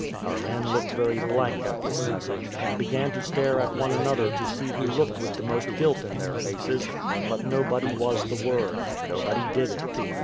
Our men looked very blank at this message, and began to stare at one another to see who looked with the most guilt in their faces; but nobody was the word nobody did it.